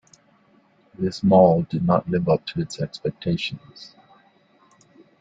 This mall did not live up to expectations.